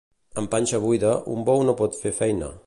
Amb panxa buida, un bou no pot fer feina.